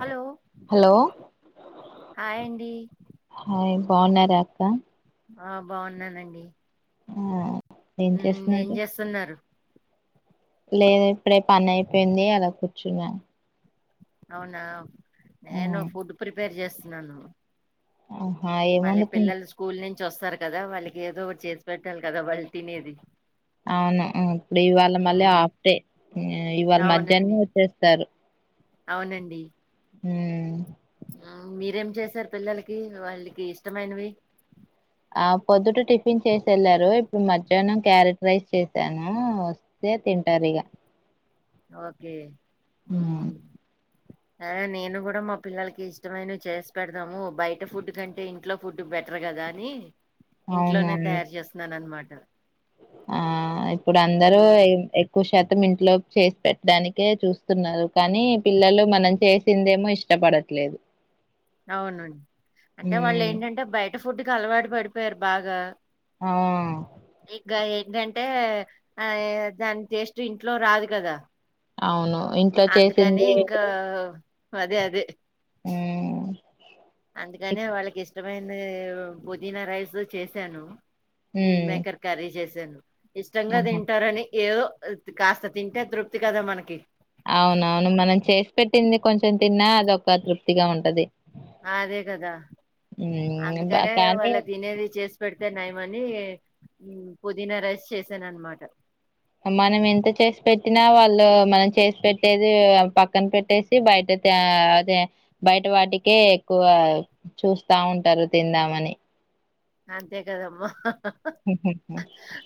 Hello hello hi అండి hi బాగున్నారా అక్క ఆ బాగున్నానండి ఆ ఏం మ్మ్ ఏం చేస్తున్నారు చేస్తున్నారు లేదు ఇప్పుడే పని అయిపోయింది అలా కూర్చున్నాను అవునా నేను ఫుడ్ ప్రిపేర్ చేస్తున్నాను ఆహా ఏం మళ్ళీ వండుతున్నా పిల్లలు స్కూల్ నుంచి వస్తారు కదా వాళ్ళకి ఏదో ఒకటి చేసి పెట్టాలి కదా వాళ్ళు తినేది అవును ఇప్పుడు ఇవాళ మళ్ళీ మ్మ్ హాఫ్ డే ఇవాళ అవునండి మధ్యాహ్నమే వచ్చేస్తారు అవునండి అవును అవ్ మీరేం చేసారు పిల్లలకి వాళ్ళకి ఇష్టమైనవి ఆ పొద్దుటే టిఫిన్ చేసి వెళ్లారు ఇప్పుడు మధ్యాహ్నం క్యారెట్ రైస్ చేసాను అదే తింటారు ఇగా ఓకే మ్మ్ అదే నేను కూడా మా పిల్లలకి ఇష్టమైనవి చేసి పెడదాము బయట ఫుడ్ కంటే ఇంట్లో ఫుడ్ బెటర్ కదా అని అవును ఇంట్లోనే అవును తయారు చేస్తున్నాను అనమాట ఆ ఇప్పుడు అందరు మ్మ్ ఎక్కువ శాత తం ఇంట్లో చేసి పెట్టడానికే చూస్తున్నారు కానీ పిల్లలు మనం చేసిందేమో ఇష్టపడతారు లేదు అవును అంటే వాళ్ళు ఏంటాంటే బయట ఫుడ్ కి అలవాటు పడిపోయారు బాగా ఆ ఏంటాంటే ఆ దాని టేస్ట్ ఇంట్లో రాదు కదా అవును ఇంట్లో అందుకని చేసింది ఇంకా ఇప్పుడు, అదే అదే ఉమ్ ఎక్- అందుకనే వాళ్ళకి ఇష్టమైంది పుదీనా రైస్ చేసాను మిల్ ఉమ్ మేకర్ క్యర్రీ చేసాను ఇష్టంగా ఆహా తింటారని ఏదో కాస్త తింటే తృప్తి కదా మనకి అవునవును మనం చేసి పెట్టింది కొంచెం తిన్నా అదొక తృప్తిగా ఉంటది అదే కదా ఉమ్ బ- అందుకనే కానీ వాళ్ళ తినేది చేస్ పెడితే నయమని పుదీనా రైస్ చేసానానమాట మనం ఎంత చేసి పెట్టినా వాళ్ళు మనం చేసి పెట్టేది పక్కన పెట్టేసి బయట అయితే అదే బయట వాటికే ఎక్కువ చూస్తా ఉంటారు తిందామని అంతే కదమ్మా ఓహో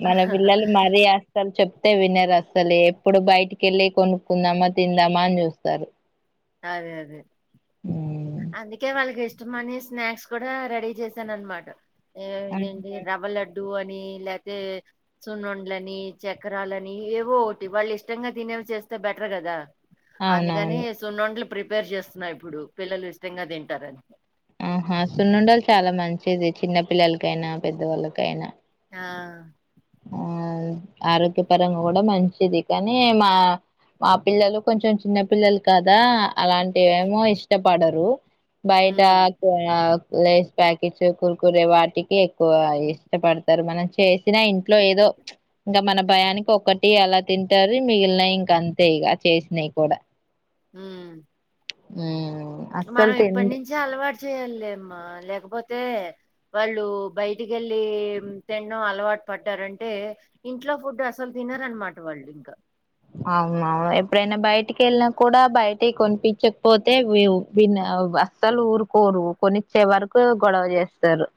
మన పిల్లలు మరీ అస్సల్ చెప్తే వినార అసల్ ఎప్పుడు బయటికి వెళ్ళి కొనుక్కుందామా తిందామా అని చూస్తారు అదే అదే ఉమ్. అందుకే వాళ్ళకి ఇష్ట ఇష్టమని స్నాక్స్ కూడా రెడీ చేశాను అనమాట ఇదేంది రవ్వ లడ్డ్ అని ల్యాతే సున్నుండలు అని చక్రాలని ఏవో ఒకటి వాళ్ళు ఇష్టంగా తినే ఇంట్లో చేస్తే బెటర్ కదా అందుకని అవునవును సున్నుండలు ప్రిపేర్ చేస్తున్నా ఇప్పుడు పిల్లలు ఇష్టంగా తింటారని ఆహా సున్నుండలు చాలా మంచిది చిన్న పిల్లలకైనా పెద్దవాళ్ళకైనా ఆ ఆ ఆరోగ్య పరంగా కూడా మంచిది కానీ మా మా పిల్లలు కొంచెం చిన్న పిల్లలు కదా అలాంటి ఏమో ఇష్టపడరు బయటా ఆ హ్మ్. కు లేస్ ప్యాకెట్స్ కురుకురే వాటికి ఎక్కువ ఇష్టపడతారు మనం చేసిన ఇ ఇంట్లో ఏదో ఇంకా మన భయానికి ఒక్కటి అలా తింటారు మిగిలినయి ఇంక అంతే ఇక చేసినాయి కూడా ఉమ్ ఉమ్ మనం ఇప్పటి నుంచే అలవాటు చేయాలలేమ్మా లేకపోతే వాళ్ళు బయటికి వెళ్ళి తినడం అలవాటు పడ్డారంటే ఇంట్లో ఫుడ్ అసలు తినరనమాట వాళ్ళు ఇంకా అవునువును ఎప్పుడైనా బయటికి వెళ్ళినా కూడా బయటికి కొనిపించకపోతే విన్న అస్సలు ఊరుకోరు కొనిచ్చే వరకు గొడవ చేస్తారు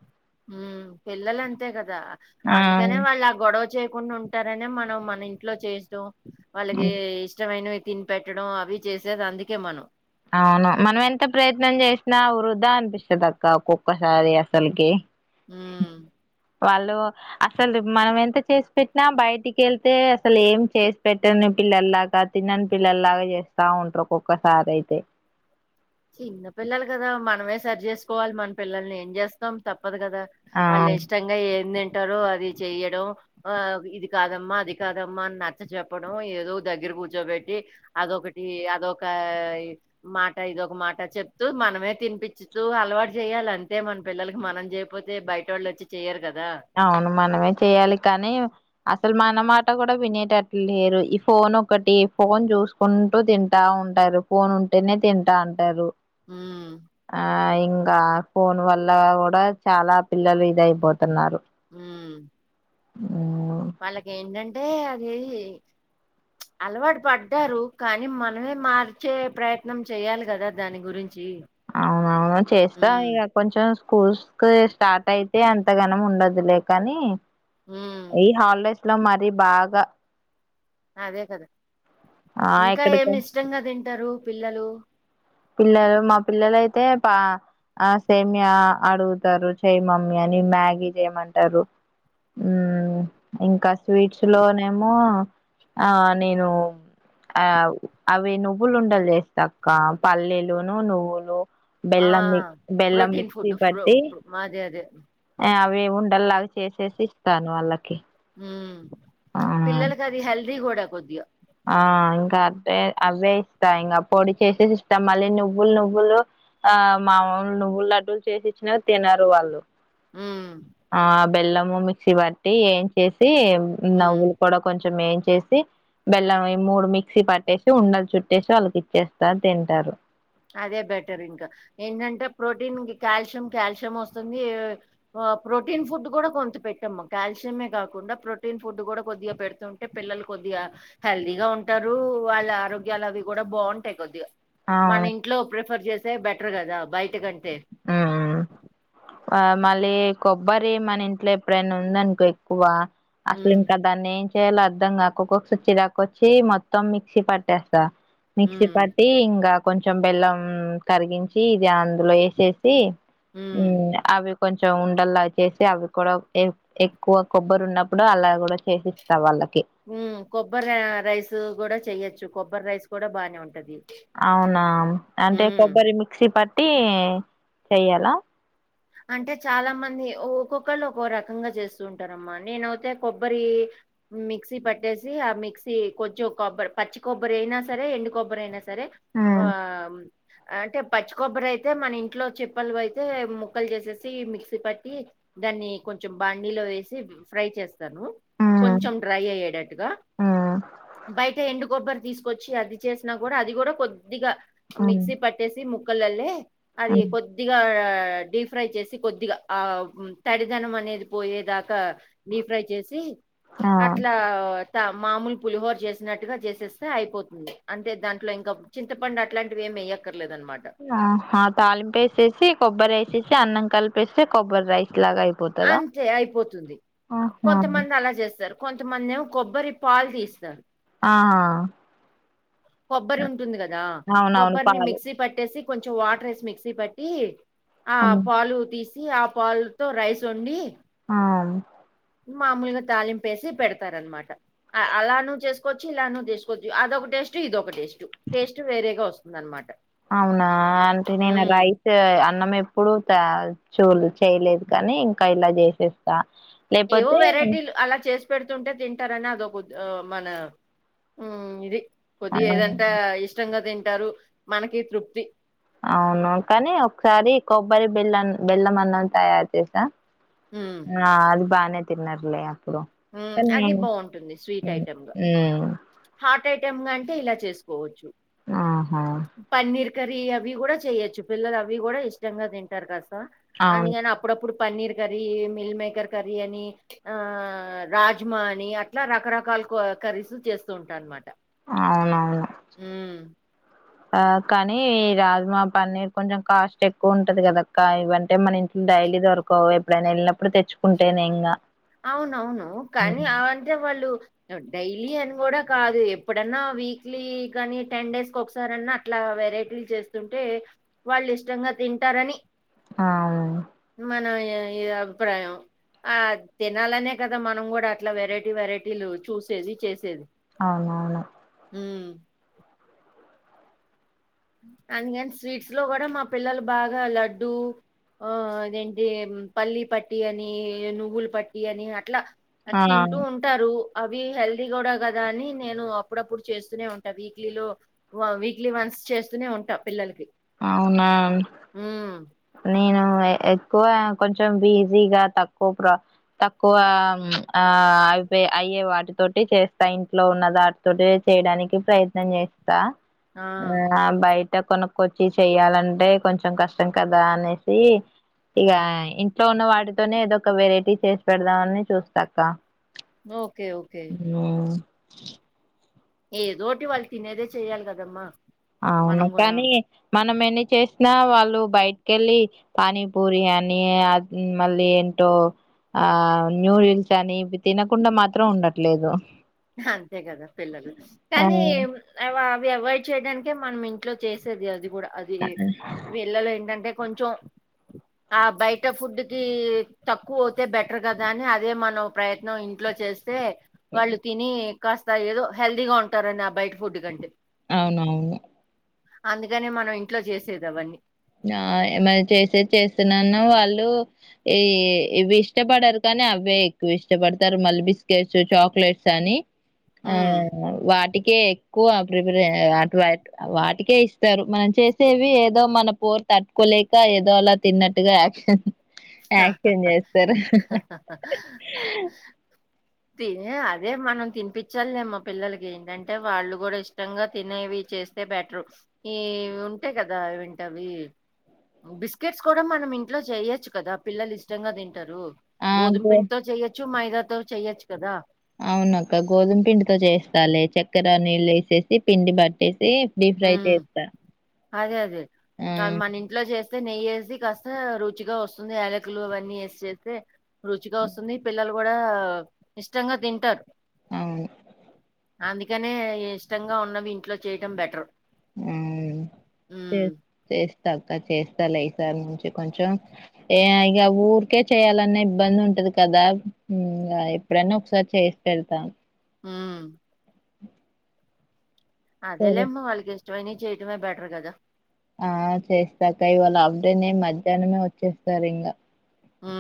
ఉమ్ పిల్లలంతే కదా ఆ అందుకనే వాళ్ళు ఆ గొడవ చేయకుండా ఉంటారనే మనం మన ఇంట్లో చేసో వాళ్ళకి హ్మ్. ఇష్టమైన తిని పెట్టడం అవి చేసేది అందుకే మనం అవును మనం ఎంత ప్రయత్నం చేసినా వృధా అనిపిస్తది అక్క ఒక్కొక్కసారి అసలకి ఉమ్ వాళ్ళు అసలు మనం ఎంత చేసి పెట్టినా బయటికి వెళ్తే అసలు ఏం చేసి పెట్టంని పిల్లల్లాగా తిన్ననీ పిల్లల్లాగా చేస్తా ఉంటారు ఒక్కొక్కసారి అయితే చిన్న పిల్లలు కదా మనమే సరి చేసుకోవాలి మన పిల్లల్ని ఏం చేస్తాం తప్ప దు కదా వాళ్ళు ఆ ఇష్టంగా ఏం తి అంటారు అది చెయడం ఆ ఇది కాదమ్మా అది కాదమ్మా అని నచ్చ చెెప్పడం ఏదో దగ్గర కూర్చోబెట్టి అదొకటి అదొక మాట ఇదొ ఒక మాట చెప్తూ మనమే తినిపించుతూ అలవాటు చేయాలి అంతే మన పిల్లలకి మనం చేయపోతే బయట వాళ్ళ వచ్చి చేయరు కదా అవును మనమే చెయాలి కానీ అసలు మన మాట కూడా వినేటట్లు లేరు ఈ ఫోన్ ఒకటి ఫోన్ చూసుకుంటూ తింటా ఫోన్ ఉంటేనే తింటా అంటారు ఉమ్ ఆ ఇంకా ఫోన్ వల్ల కూడా చాలా పిల్లలు ఇది అయిపోతున్నారు హ ఉమ్ వాళ్ళకి ఏంటంటే అది అలవాటు పడ్డారు కానీ మనమే మార్చే ప్రయత్నం చేయాలి కదా దాని గురించి అవునవును చేస్తా హ్మ్. ఇక కొంచెం స్కూల్స్ స్టార్ట్ అయితే అంత గనం ఉండదులేకని హ్మ్. ఈ హాలిడేస్ మరీ బాగా అదే కదా ఆ ఇంకా ఎక్కడికో ఏమి ఇష్టంగా తింటారు పిల్లలు పిల్లలు మా పిల్లలు అయితే పా ఆ సేమ్య అడుగుతారు చేయి మమ్మీ అని మ్యాగీ చేయమంటారు ఉమ్ ఇంకా స్వీట్లో ఏమో ఆ నేను ఆ అవి నువ్వులుండలు చేస్తా అక్క పల్లిలును నువ్వులు ఆ! బెల్లం మిక్ బెల్లం ప్రోటీన్ మిక్సీ ఫుడ్ ఫ్రో పట్టి ప్ర అదే. అదే. ఆ అవి ఉండల్లాగా చేసేసి ఇస్తాను వాళ్ళకి ఉమ్ ఆ పిల్లలకి అది హెల్దీ కూడా కొద్దిగా ఆ ఇంకా అదే అవే ఇస్తా ఇంకా పొడి చేసేసి ఇస్తా మళ్ళీ నువ్వులు నువ్వులు ఆ మా వాళ్ళు నువ్వులు లడ్డులు చేసి ఇచ్చిన తినరు వాళ్ళు హ్మ్. ఆ బెల్లము మిక్సీ బట్టి ఏం చేస్ సి హ్మ్. నవ్వులు కూడా కొంచెం ఎంచేసి బెల్లం ఈ మూడు మిక్సీ పట్టేసి ఉండలు చుట్టేసి వాళ్ళకి ఇచ్చేస్తారు తింటారు అదే బెటర్ ఇంకా ఏంటంటే ప్రోటీన్ కాల్షియం కాల్షియం వస్తుంది ప్రోటీన్ ఫుడ్ కూడా కొంత పెట్టమ్మ కాల్షియమే కాకుండా ప్రోటీన్ ఫుడ్ కూడా కొద్దిగా పెడుతుంటే పిల్లలు కొద్దిగా హెల్తీగా ఉంటారు వాళ్ళ ఆరోగ్యాలు అవి కూడా బావుంటాయి కొద్దిగా మన అవును ఇంట్లో ప్రిఫర్ చేసే బెటర్ కదా బయట కంటే ఉమ్. ఆ మళ్ళీ కొబ్బరి మన ఇంట్లో ఎప్పుడైనా ఉందనుకో ఎక్కువ అసలు హ్మ్. ఇంకా దాన్ని ఏం చేయాలి అర్ధం కాక ఒక్కొక్క సారి చిరాకు వచ్చి మొత్తం మిక్సీ పట్టేస్ గ మిక్సీ హ్మ్ పట్టి ఇంకా కొంచెం బెల్లం కరిగించి ఇది అందులో ఎసేసి సి హ్మ్ మ్ అవి కొంచెం ఉండల్లా చేసి అవి కూడా ఎ ఎక్కువ కొబ్బరున్నప్పుడు అలా కూడా చేసిస్తా వాళ్ళ ఉమ్ కొబ్బరి రైస్ కూడా చెయొచ్చు కొబ్బరి రైస్ కూడా బానే ఉంటది అవునా అంటే హ్మ్. కొబ్బరి మిక్సీ పట్టి చెయ్యాల అంటే చాలా మంది ఒక్కొక్కళ్ళు ఒకోరకంగా చేస్తూ ఉంటారమ్మా నేనవుతే కొబ్బరి మిక్సీ పట్టేసి ఆ మిక్సీ కొంచెం కొబ్బరి పచ్చి కొబ్బరి అయినా సరే ఎండు కొబ్బరయినా సరే సరే ఆ అంటే పచ్చి కొబ్బరయితే మన ఇంట్లో చెప్పల్వయితే ము క్కలు చేసేసి మిక్సీ పట్టి దాన్ని కొంచెం బాండిలో వేసి ఫ్రై చేస్ స్తాను ఆ కొంచెం డ్రై అయేడట్టుగ ఆ బయటే ఎండు కొబ్బరి తీసుకొచ్చి అది చేసినా కూడా అది కూడా కొద్దిగా ఆ మిక్సీ పట్టేసి ముక్కలల్లే అది కొద్దిగా డిఫ్ ఫ్రై చేసి కొద్దిగా ఆ తడిదనం అనేది పోయేదాకా డిఫ్రై చేసి ఆ అట్లా త మామూలు పులిహోర చేసినట్టుగా చేసేస్తే అయిపోతుంది అంటే దాంట్లో ఇంకా చింతపండు అట్లాంటివి ఏమి ఎయక్క ఆ తాలింపు వేసేసి కొబ్బరేసేసి అన్నం కలిపేసి కొబ్బరి రైస్ లాగా అయిపోతదా అంతే అయిపోతుంది ఆహా కొంతమంది అలా చేస్తారు కొంతమంది ఏమో కొబ్బరి పాలు తీస్తారు ఆ కొబ్బరి ఉంటుంది కదా అవునవును కొబ్బరిని పాలు మిక్సీ పట్టేసి కొంచెం వాటర్ వేసి మిక్సీ పట్టి ఆ పాలు తీసి ఆ పాలు తో రైస్ వండి ఆ మాములుగా తాలింపేసి పెడతారనమాట అలాను చేసుకోవచ్చు ఇలాను చేసుకోవచ్చు అదొకటే స్టు ఇదొక టేస్టు టేస్ట్ వేరేగా వస్తుందనమాట అవునా అంటే నేను రైస్ అన్నం ఎప్పుడు తా చూల్ చేయలేదు కానీ ఇంకా ఇలా చేసేస్తా ఏవో లేపోతే వెరైటీలు అలా చేసి పెడుతుంటే తింటారని అదొక మన మ్ ఇది కొద్ది ఆ ఏదంటే ఇష్టంగా తింటారు మనకి తృప్తి అవును కానీ ఒకసారి కొబ్బరి బెల్లం బెల్లం అన్నం తయారు చేసా ఉమ్, ఆ అది బానే తిన్నార్లేఆ పుడో ఉమ్, తన్ని అది బాగుంటుంది మ్ మ్మ్ హార్ట్ ఐటమ్గ అంటే ఇలా చేసుకోవచ్చు ఆహా పన్నీర్ కర్రీ అవి కూడా చెయొచ్చు పిల్లలు అవి కూడా ఇష్టంగా తింటారు కసా అవును అందుకని అప్పుడప్పుడు paneer curry meal maker curry అని రాజ్మా అని అట్లా రకరకాల కర్రీసు చేస్తూ ఉంటా అన్నమాట అవునవును ఆ కానీ రాజమా పన్నీర్ కొంచెం కాస్ట్ ఎక్కువ ఉంటది కదక్క ఇవంటే మన ఇంట్లో డైరి అన్ని దొరకవు ఎప్పుడైనా వెళ్ళినప్పుడు తెచ్చుకుంటేనే ఇంగా అవునవును కానీ ఉమ్. అ అంటే వాళ్ళు డైలీ అని కూడా కాదు ఎప్పుడన్నా వీక్లీ గాని టెన్ డేస్ క ఒకసారన్నా అట్లా వెరైటీలు చేస్తుంటే వాళ్ళు ఇష్టంగా తింటారని అవును ఇగ అభిప్రాయం ఆ తినాలనే కదా మనం కూడా అట్లా వెరైటీ వెరైటీలు చూసేది చేసేది అవునవును ఉం అందుకని స్వీట్స్ లో కూడా మా పిల్లలు బాగా లడ్డూ ఆ అదేంటి పల్లీ పట్టి అని నువ్వులు పట్టి అని అట్లా అది ఆ తింటూ ఉంటారు అవి హెల్దీ కూడా కదా అని నేను అప్పుడప్పుడు చేస్తూనే ఉంటాను వీక్లీలో వీక్లీ వన్స్ చేస్తు నే ఉంటా పిల్లలకి అవునా హ్మ్ నేను ఎక్కువ కొంచెం బిజీగా తక్కువ ప్ర తక్కువ ఆ అయిపో అయ్యే వాటితోటి చేస్తా ఇంట్లో ఉన్నది వాటితోటి చేయడానికి ప్రయత్నం చేస్త ఆ ట ఆ బయట కొనక్కొచ్చి చెయ్యాలంటే కొంచెం కష్టం కదా అనేసి ఇగ ఇంట్లో ఉన్న వాటితోనే ఏదో ఒక వెరైటీ చేసి పెడదామని చూస్తాక్క ఓకే ఓకే అ ఏదోటి వాళ్ళు తినేదే చెయాలి కదమ్మా అవును మనం కూడా కానీ మనం ఎన్ని చేసినా వాళ్ళు బయటక వెళ్ళి పానీపూరి అని మళ్ళీ ఏంటో ఆ న్యూడిల్స్ అని ఇవి తినకుండా మాత్రం ఉండట్లేదు అంతే గదా పిల్లలు ఆ కానీ వా అవాయిడ్ చేయడానికే మనం ఇంట్లో చేసేది అది కూడా అది వీళ్ళలో ఏంటంటే కొంచం ఆ బయట ఫుడ్ కి తక్కువ వోతే బెటర్ కదా అని అదే మనం ప్రయత్నం ఇంట్లో చేస్త సే వాళ్ళు తిని కాస్త ఏదో హెల్దీగా ఉంటారని ఆ బయట ఫుడ్ కంటే అవునవును అందుకనే మనం ఇంట్లో చేసేది అవన్నీ ఆ మరి చేసేది చేస్తునే ఉన్న వాళ్ళు ఈ ఇవి ఇష్టపడారు కానీ అవే ఎక్కువ ఇష్టపడతారు మళ్ళీ బిస్కెట్స్ చాక్లెట్స్ అని ఆ ఉమ్ వాటికి కే ఎక్కువ ప్రిపరే అ వాటికే ఇస్తారు మనం చేసేవి ఏదో మన పోరు తట్టుకోలేక ఏదో అలా తిన్నట్టుగా యాక్షన్ యాక్షన్ చేస్తారు తినే అదే మనం తినిపించాలి లేమ్మా పిల్లలకి ఏంటంటే వాళ్ళు కూడా ఇష్టంగా తినేవి చే స్తే బెటరు ఈ ఉంటాయి కదా ఎంటవి బిస్కెట్స్ కూడా మనం ఇంట్లో చేయొచ్చు కదా పిల్లలు ఇష్టంగా తింటారు ఆ గోధుమ గో పిండితో చెయ్యొచ్చు మైదాతో చెయ్యొచ్చు కదా అవునక్క గోధుమ పిండితో చేస్తలే చక్కెర నీళ్ళు ఎసేసి పిండి [unintelligible] డి ఫ్రై హ్మ్. చేస్త అదే అదే మన ఇంట్లో చే నెయ్యేసి కాస్త రుచిగా వస్తుంది యాలకులు అవన్నీ వేసి చేస్తే రుచిగా వస్తుంది పిల్లలు కూడ ఇష్టంగ తింటారు అవును అందుకనే ఇష్టంగ ఉన్నవి ఇంట్లో చేయటం బెటర్ హు చే హ్మ్. చెస్ చేస్తలే ఈసారి నుంచి కొంచెం ఇక ఊరికే చేయాలనే ఇబ్బంది ఉ కదా ఎప్పుడన ఒకసారి చేసి పెడతాం ఊ సరే అదేలేెమ్మ వాళ్ళకి ఇష్టమైనివి చేయటమే బెటర్ గదా ఆ చేస్తాక ఇవాళ ఆఫ్డేనే మధ్యాహ్నమే వచ్చేస్తారు ఇగ హూ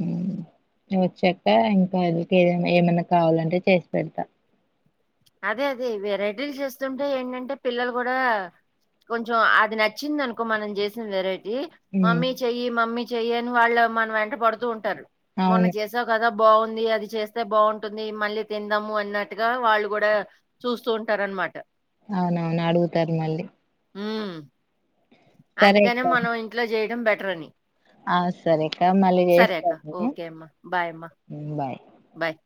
ఉ మీరు వచ్చాక ఇంకా [unintelligible] ఏ ఏమైన్నా కావాలంటే చేసి పెడతా అదే అదే వెరైటీలు చేస్తుంటే ఏంటంటే పిల్లలు కూడ కొంచెం అది నచ్చింది అనుకో మనం చేసిన వె [unintelligible] ఉమ్ మమ్మీ చెయ్యి మమ్మీ చెయ్యి అని వాళ్ళు మన వెంట పడుతూ ఉంటారు మొన అవును చేసావు కదా బాగుంది అది చేస్తే బాగుంటుంది మళ్ళీ తిందాము అన్నట్టుగా వ కూడ చూస్తూ ఉంటారనమాట అవునవును అడుగుతారు మళ్ళీ ఉ సరే అందుకనే అక్క మనం ఇంట్లో చేయడం బెటర్ అని ఆ సరేక్క మళ్ళీ సరే అక్క చేస్తలే ఓకే అమ్మా బాయ్ అమ్మా బాయ్ బాయ్